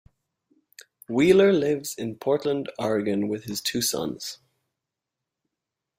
Wheeler lives in Portland, Oregon, with his twin sons.